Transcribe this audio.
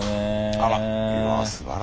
あら！